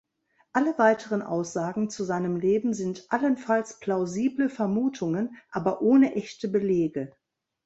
Alle weiteren Aussagen zu seinem Leben sind allenfalls plausible Vermutungen, aber ohne echte Belege.